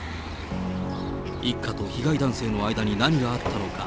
一家と被害男性の間に何があったのか。